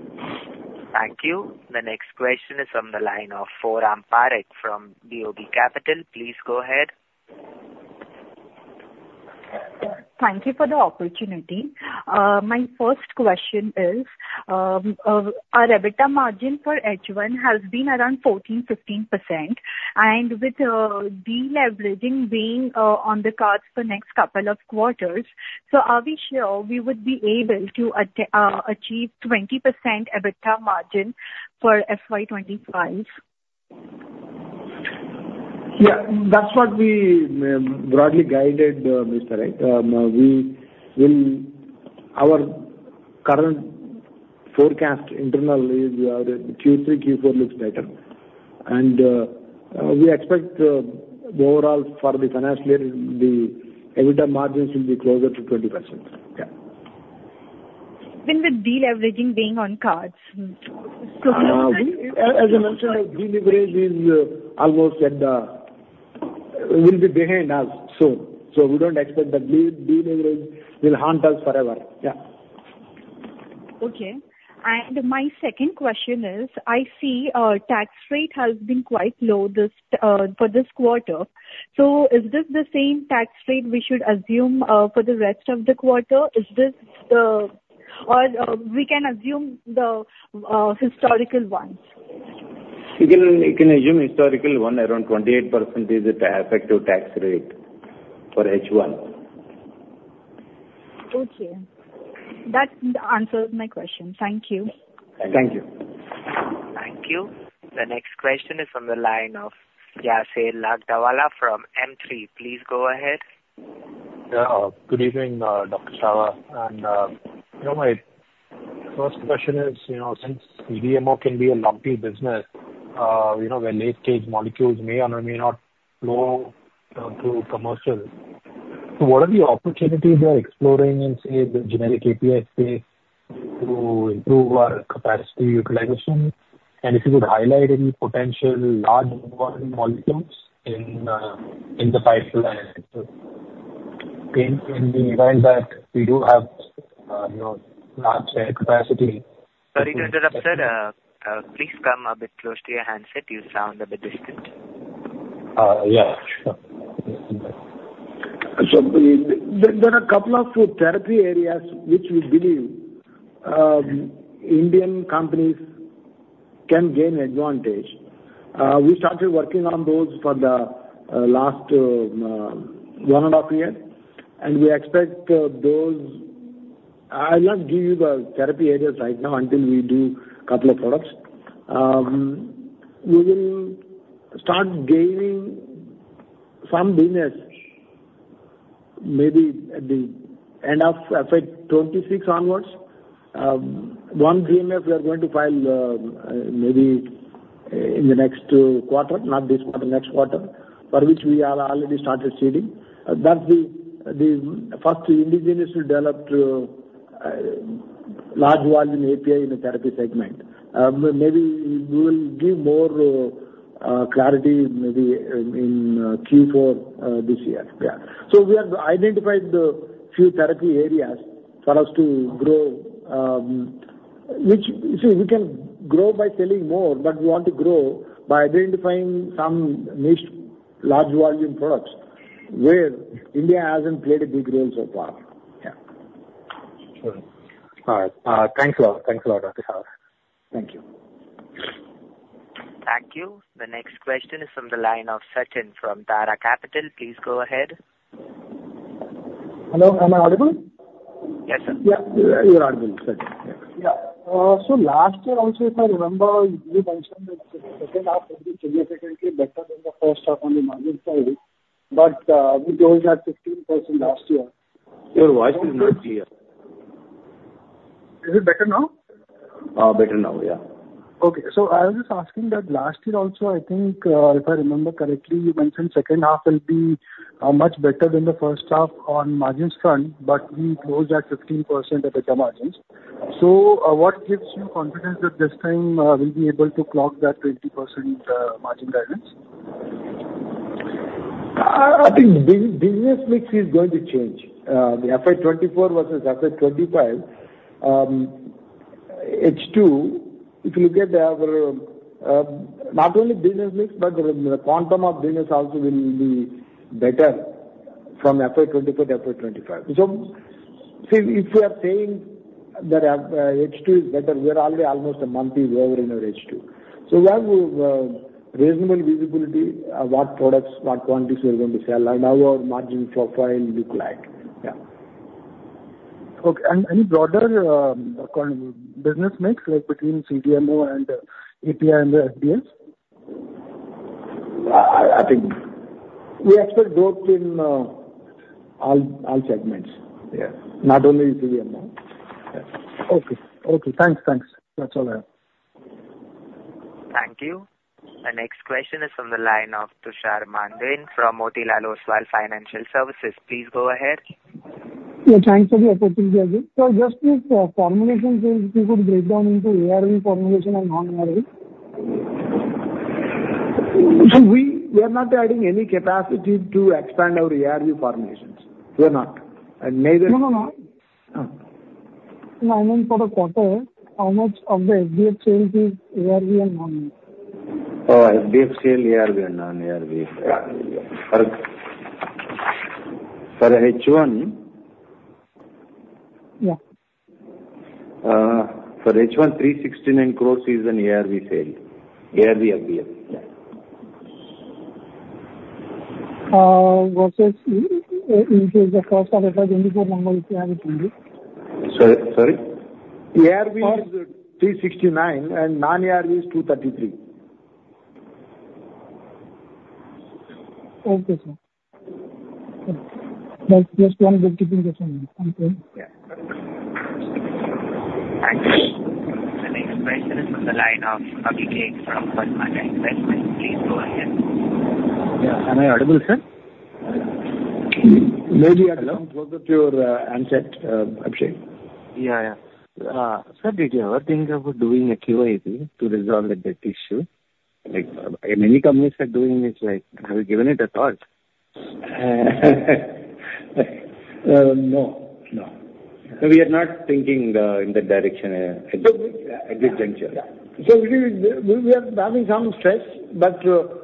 Thank you. The next question is from the line of Foram Parekh from BOB Capital. Please go ahead. Thank you for the opportunity. My first question is, our EBITDA margin for H1 has been around 14-15%, and with deleveraging being on the cards for next couple of quarters, so are we sure we would be able to achieve 20% EBITDA margin for FY 2025? Yeah, that's what we broadly guided, Ms Parekh. Our current forecast internally is Q3, Q4 looks better, and we expect overall for the financial year, the EBITDA margins will be closer to 20%. Yeah. Even with deleveraging being on the cards? So- As I mentioned, our deleverage is almost at the will be behind us soon. So we don't expect that deleverage will haunt us forever. Yeah. Okay. And my second question is, I see our tax rate has been quite low this, for this quarter. So is this the same tax rate we should assume, for the rest of the quarter? Is this the... Or, we can assume the, historical ones? You can assume historical one, around 28% is the effective tax rate for H1. Okay. That answers my question. Thank you. Thank you. Thank you. The next question is from the line of Jesal Nagdawala from M3. Please go ahead. Good evening, Dr. Chava. And, you know, my first question is, you know, since CDMO can be a lumpy business, you know, where late-stage molecules may or may not flow through commercial. So what are the opportunities you are exploring in, say, the generic API space to improve capacity utilization? And if you could highlight any potential large volume molecules in the pipeline, in the event that we do have, you know, large capacity. Sorry to interrupt, sir. Please come a bit close to your handset. You sound a bit distant. Yeah, sure. So there are a couple of therapy areas which we believe Indian companies can gain advantage. We started working on those for the last one and a half year, and we expect those. I'll not give you the therapy areas right now until we do couple of products. We will start gaining some business maybe at the end of 2026 onwards. One DMF we are going to file maybe in the next quarter, not this quarter, next quarter, for which we are already started seeding. That's the first indigenous we developed large volume API in the therapy segment. Maybe we will give more clarity maybe in Q4 this year. Yeah. We have identified the few therapy areas for us to grow, which, you see, we can grow by selling more, but we want to grow by identifying some niche, large volume products where India hasn't played a big role so far. Yeah. All right. Thanks a lot. Thanks a lot, Dr. Chava. Thank you. Thank you. The next question is from the line of [Rohit] from Tara Capital. Please go ahead. Hello, am I audible? Yes, sir. Yeah, you are audible Rohit. Yeah. So last year also, if I remember, you mentioned that the second half of the year was actually better than the first half on the margin side, but we got 15% last year. Your voice is not clear. Is it better now? Better now, yeah. Okay. So I was just asking that last year also, I think, if I remember correctly, you mentioned second half will be much better than the first half on margins front, but we closed at 15% EBITDA margins. So, what gives you confidence that this time, we'll be able to clock that 20% margin guidance? I think business mix is going to change. The FY 2024 versus FY 2025, H2, if you look at our, not only business mix, but the quantum of business also will be better from FY 2025 to FY 2025. See, if you are saying that, H2 is better, we are already almost a month is over in our H2. So we have, reasonable visibility of what products, what quantities we are going to sell, and our margin profile look like. Yeah. Okay. And any broader business mix, like between CDMO and API and HDS? I think we expect growth in all segments. Yeah. Not only CDMO. Yeah. Okay. Okay, thanks. Thanks. That's all I have. Thank you. The next question is from the line of Tushar Manudhane from Motilal Oswal Financial Services. Please go ahead. Yeah, thanks for the opportunity again. So just this, formulation sales, if you could break down into ARV formulation and non-ARV? So we are not adding any capacity to expand our ARV formulations. We are not. And neither- No, no, no. Uh. No, I mean, for the quarter, how much of the revenue is ARV and non-ARV? Oh, FDF, ARV and non-ARV. For H1- Yeah. For H1, 369 crore is an ARV sale. ARV, I mean. Yeah. Versus, in case the first quarter, 2024 months ARV only. Sorry, sorry. ARV is 369, and non-ARV is 233. Okay, sir. Just, just one brief question. Yeah. Thanks. The next question is on the line of Abhishek from Kotak Securities. Please go ahead. Yeah. Am I audible, sir? Maybe you have to come closer to your handset, Abhishek. Yeah, yeah. Sir, did you ever think about doing a QIP to resolve the debt issue? Like, many companies are doing this, like, have you given it a thought? No, no. We are not thinking in that direction at this juncture. Yeah. So we are having some stress, but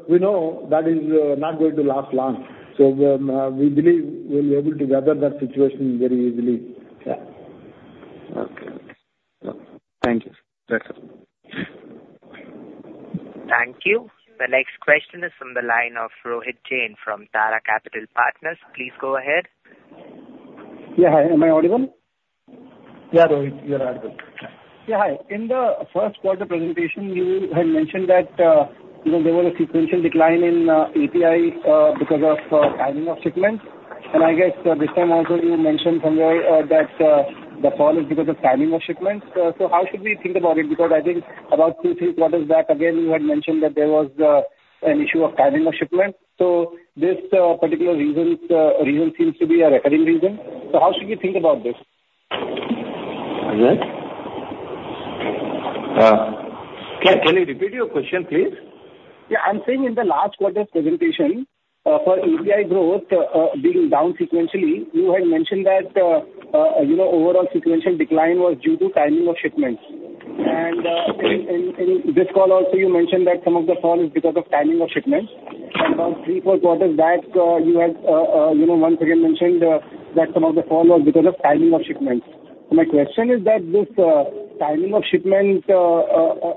we know that is not going to last long. So we believe we'll be able to gather that situation very easily. Yeah. Okay. Yeah. Thank you. That's it. Thank you. The next question is from the line of Rohit Jain from Tara Capital Partners. Please go ahead. Yeah, hi. Am I audible? Yeah, Rohit, you are audible. Yeah, hi. In the first quarter presentation, you had mentioned that, you know, there was a sequential decline in API because of timing of shipments. And I guess this time also you mentioned somewhere that the fall is because of timing of shipments. So how should we think about it? Because I think about two, three quarters back, again, you had mentioned that there was an issue of timing of shipments. So this particular reason seems to be a recurring reason. So how should we think about this? Can you repeat your question, please? Yeah. I'm saying in the last quarter's presentation, for API growth being down sequentially, you had mentioned that, you know, overall sequential decline was due to timing of shipments. And, in this call also, you mentioned that some of the fall is because of timing of shipments. And about three, four quarters back, you had, you know, once again mentioned, that some of the fall was because of timing of shipments. My question is that this, timing of shipment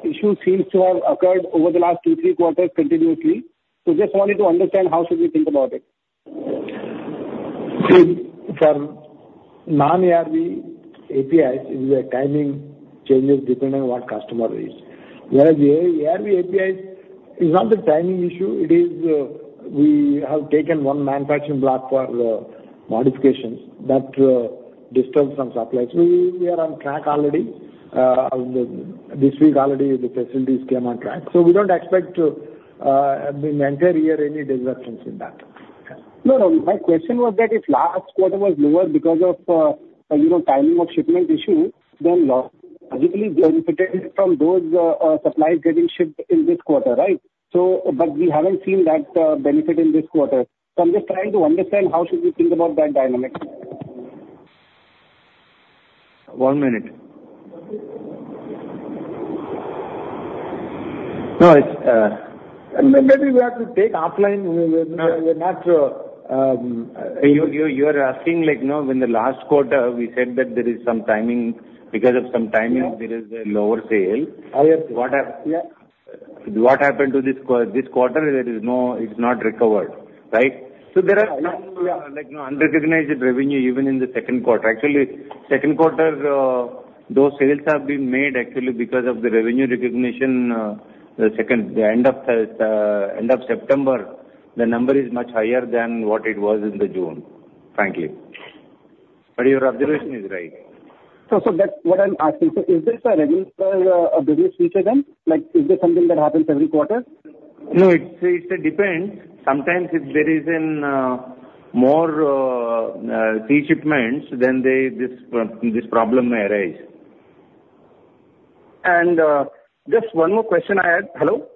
issue seems to have occurred over the last two, three quarters continuously. So just wanted to understand, how should we think about it? So for non-ARV APIs, is the timing changes depending on what customer is. Whereas the ARV APIs is not a timing issue, it is, we have taken one manufacturing block for, modifications that disturbs some supplies. We are on track already. This week already, the facilities came on track, so we don't expect, in the entire year any disruptions in that. No, no. My question was that if last quarter was lower because of, you know, timing of shipment issue, then logically benefited from those, supplies getting shipped in this quarter, right? So, but we haven't seen that, benefit in this quarter. So I'm just trying to understand how should we think about that dynamic. One minute. No, it's. Maybe we have to take offline. We are not- You are asking, like, you know, in the last quarter, we said that there is some timing, because of some timing- Yeah. There is a lower sale. Yes. What happened? Yeah. What happened to this quarter? There is no, it's not recovered, right? So there are- Yeah. Like, unrecognized revenue even in the second quarter. Actually, second quarter, those sales have been made actually because of the revenue recognition, the end of September, the number is much higher than what it was in the June, frankly.... But your observation is right. So, so that's what I'm asking. So is this a regular business feature then? Like, is this something that happens every quarter? No, it depends. Sometimes if there is more sea shipments, then this problem may arise. Just one more question I had. Hello?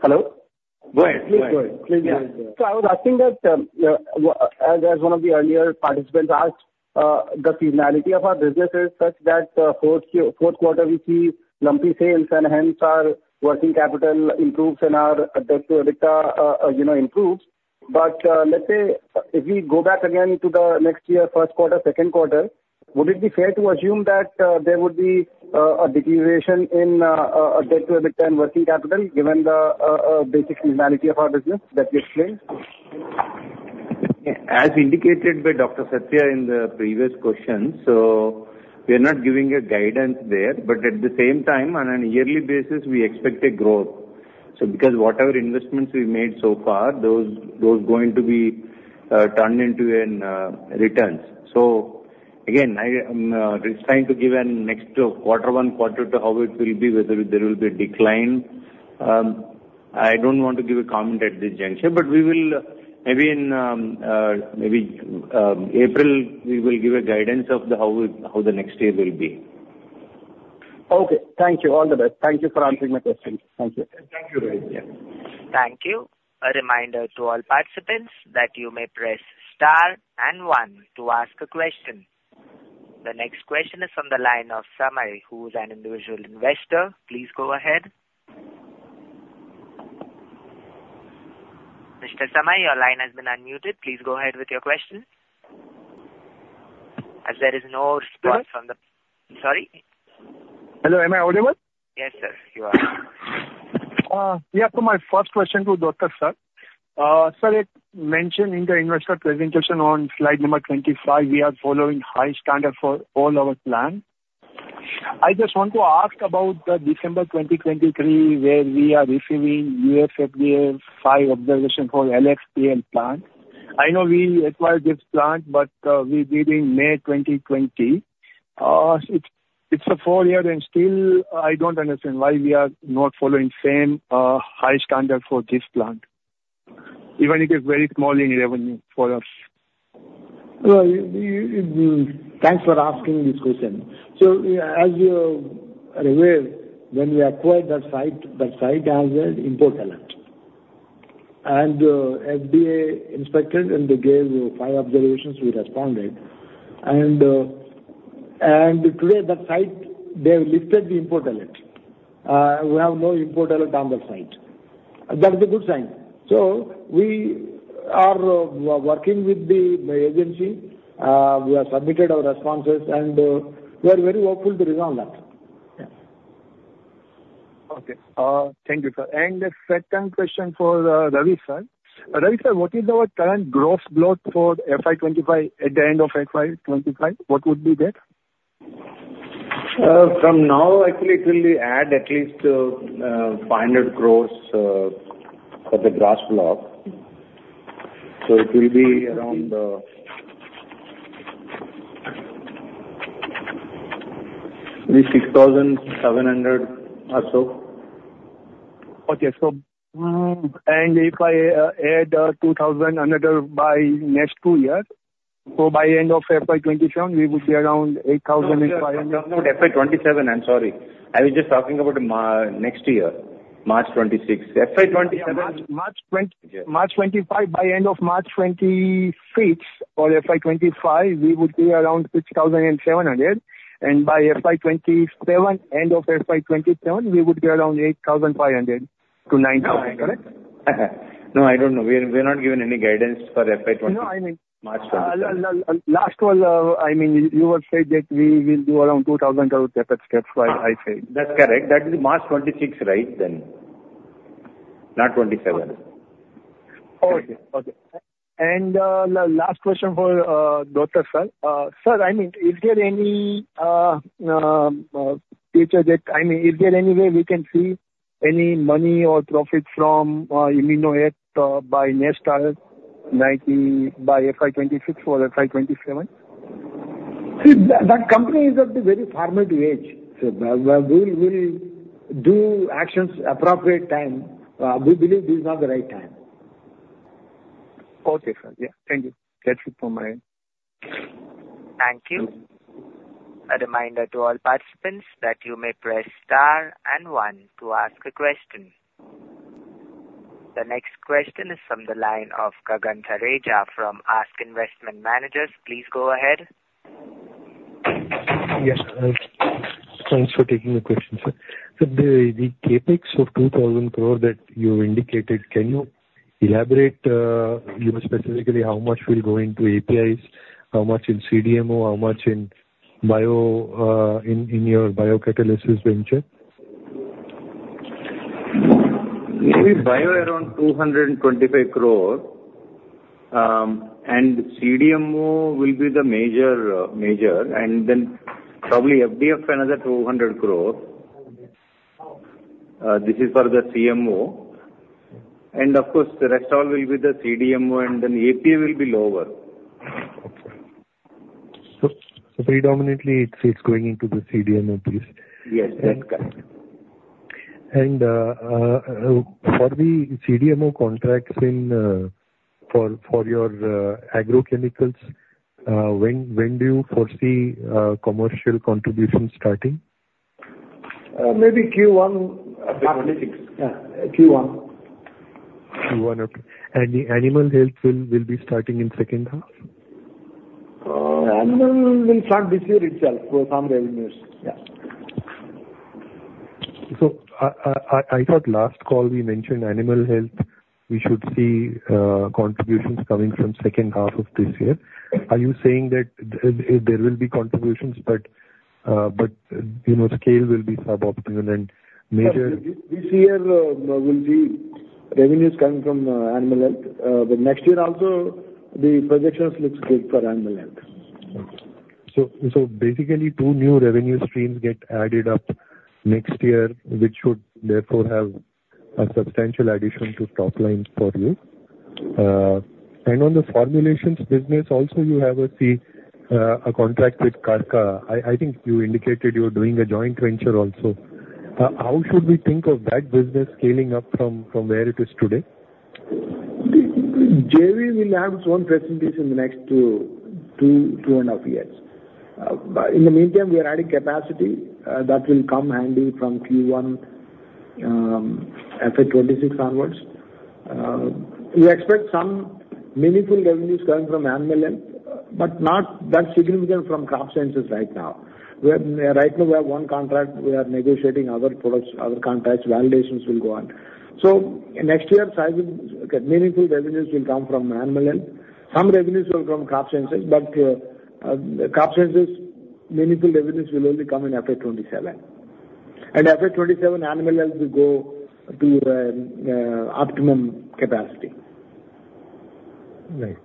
Hello. Go ahead, please go ahead. I was asking that, yeah, as one of the earlier participants asked, the seasonality of our business is such that, fourth quarter, we see lumpy sales, and hence our working capital improves and our debt to EBITDA, you know, improves. But, let's say if we go back again to the next year, first quarter, second quarter, would it be fair to assume that there would be a deterioration in our debt to EBITDA and working capital, given the basic seasonality of our business that you explained? As indicated by Dr. Satya in the previous question, so we are not giving a guidance there, but at the same time, on a yearly basis, we expect a growth. So because whatever investments we've made so far, those going to be turned into a returns. So again, I'm trying to give a next quarter, one quarter to how it will be, whether there will be a decline. I don't want to give a comment at this juncture, but we will maybe in April, we will give a guidance of how the next year will be. Okay. Thank you. All the best. Thank you for answering my questions. Thank you. Thank you, Rohit. Thank you. A reminder to all participants that you may press Star and One to ask a question. The next question is from the line of Samay, who is an individual investor. Please go ahead. Mr. Samay, your line has been unmuted. Please go ahead with your question. As there is no response from the... Sorry? Hello, am I audible? Yes, sir, you are. Yeah. So my first question to Doctor, sir. Sir, it mentioned in the investor presentation on slide number 25, we are following high standard for all our plants. I just want to ask about the December 2023, where we are receiving US FDA five observation for LSPL plant. I know we acquired this plant, but, we did in May 2020. It's a full year and still, I don't understand why we are not following same high standard for this plant, even if it is very small in revenue for us. Well, thanks for asking this question. So as you are aware, when we acquired that site, that site has an import alert. And FDA inspected, and they gave five observations. We responded. And today, that site, they have lifted the import alert. We have no import alert on the site. That is a good sign. So we are working with the agency. We have submitted our responses, and we are very hopeful to resolve that. Yeah. Okay. Thank you, sir. And the second question for Ravi, sir. Ravi, sir, what is our current gross block for FY 2025, at the end of FY 2025, what would be there? From now, actually, it will add at least 500 crore for the gross block. So it will be around maybe 6,700 or so. Okay. So, and if I add two thousand another by next two years, so by end of FY 2027, we would be around eight thousand five hundred. No, FY 2027, I'm sorry. I was just talking about next year, March 2026. FY 2027- March 2025, by end of March 2026 or FY 2025, we would be around six thousand and seven hundred, and by FY 2027, end of FY 2027we would be around 8500-9000 correct? No, I don't know. We're not giving any guidance for FY twenty- No, I mean- March 2025 I mean, you were saying that we will do around 2,000 crore. That's what I say. That's correct. That is March 2026, right, then? Not 2027 Okay. The last question for Doctor sir. Sir, I mean, is there any way we can see any money or profits from ImmunoACT by next H1, nineteen, by FY 2026 or FY 2027? See, that, that company is at the very formative age. So we'll, we'll do actions appropriate time. We believe this is not the right time. Okay, sir. Yeah. Thank you. That's it from my end. Thank you. A reminder to all participants that you may press Star and One to ask a question. The next question is from the line of Gagan Thareja from ASK Investment Managers. Please go ahead. Yes, thanks for taking the question, sir. So the CapEx of 2,000 crore that you indicated, can you elaborate, you know, specifically how much will go into APIs, how much in CDMO, how much in bio, in your biocatalysis venture? Maybe bio around INR 225 crore, and CDMO will be the major, and then probably FDF, another 200 crore.... this is for the CMO. And of course, the rest all will be the CDMO, and then API will be lower. Okay. So predominantly, it's going into the CDMO piece? Yes, that's correct. For the CDMO contracts for your agrochemicals, when do you foresee commercial contributions starting? Maybe Q1- 2026. Yeah, Q1. Q1, okay. And the animal health will be starting in second half? Animal will start this year itself for some revenues. Yeah. So I thought last call we mentioned animal health, we should see contributions coming from second half of this year. Are you saying that there will be contributions, but you know, scale will be suboptimal and major- This year, there will be revenues coming from animal health. But next year also, the projections looks good for animal health. So, basically, two new revenue streams get added up next year, which should therefore have a substantial addition to top line for you. And on the formulations business, also you have a see, a contract with KRKA. I think you indicated you're doing a joint venture also. How should we think of that business scaling up from where it is today? JV will have its own presence in the next two and a half years. But in the meantime, we are adding capacity that will come handy from Q1 FY 2026 onwards. We expect some meaningful revenues coming from animal health, but not that significant from crop sciences right now. Right now, we have one contract. We are negotiating other products, other contracts. Validations will go on. So next year, meaningful revenues will come from animal health. Some revenues will from crop sciences, but the crop sciences meaningful revenues will only come in FY 2027. And FY 2027, animal health will go to optimum capacity. Right.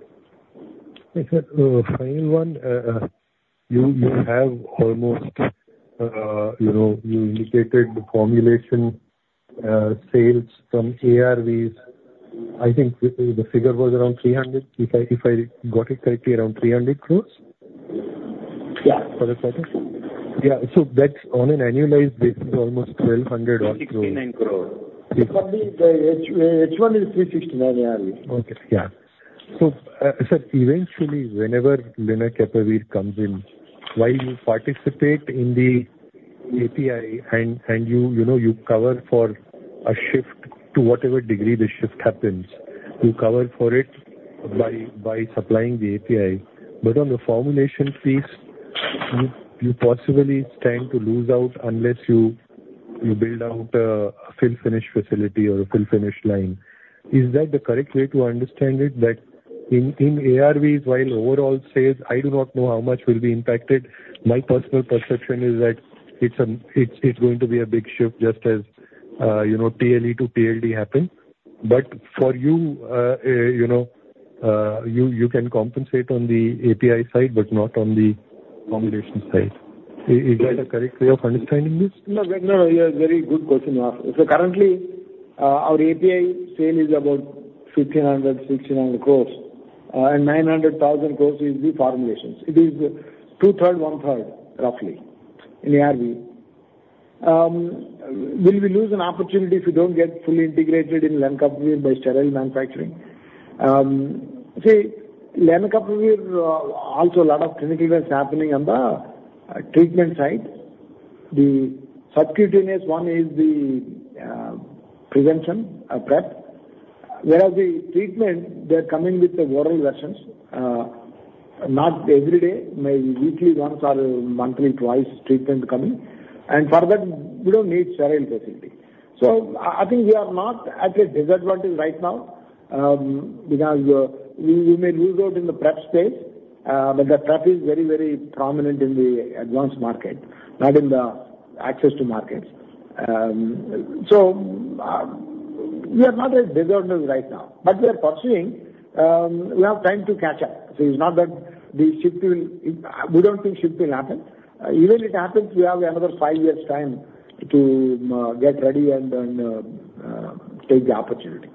Final one, you have almost, you know, you indicated the formulation sales from ARVs. I think the figure was around 300, if I got it correctly, around 300 crore? Yeah. For the quarter. Yeah, so that's on an annualized basis, almost twelve hundred- 169 crore. H1 is 369 ARV. Okay. Yeah. So, sir, eventually, whenever lenacapavir comes in, while you participate in the API and you know you cover for a shift, to whatever degree the shift happens, you cover for it by supplying the API. But on the formulation piece, you possibly stand to lose out unless you build out a fill finish facility or a fill finish line. Is that the correct way to understand it? That in ARVs, while overall sales, I do not know how much will be impacted, my personal perception is that it's going to be a big shift, just as you know, TLE to TLD happened. But for you, you know you can compensate on the API side, but not on the formulation side. Is that a correct way of understanding this? No, no, a very good question to ask. So currently, our API sale is about 1,500 crore-1,600 crore, and 900-1,000 crore is the formulations. It is two-thirds, one-third, roughly, in ARV. Will we lose an opportunity if we don't get fully integrated in Lenacapavir by sterile manufacturing? See, Lenacapavir also has a lot of clinical trials happening on the treatment side. The subcutaneous one is the prevention prep, whereas the treatment, they're coming with the oral versions, not every day, maybe weekly once or monthly twice treatment coming, and for that, we don't need sterile facility. So I, I think we are not at a disadvantage right now, because we, we may lose out in the prep space, but the prep is very, very prominent in the advanced market, not in the access to markets. So, we are not at disadvantage right now, but we are pursuing. We have time to catch up. So it's not that the shift will... We don't think shift will happen. Even it happens, we have another five years' time to get ready and then take the opportunity.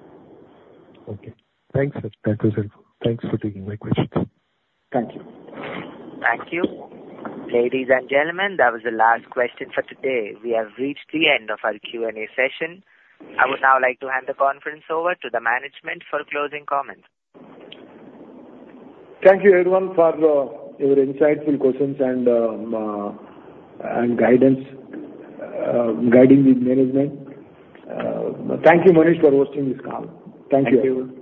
Okay. Thanks, sir. That was helpful. Thanks for taking my questions. Thank you. Thank you. Ladies and gentlemen, that was the last question for today. We have reached the end of our Q&A session. I would now like to hand the conference over to the management for closing comments. Thank you everyone for your insightful questions and guidance guiding the management. Thank you, Manish, for hosting this call. Thank you. Thank you.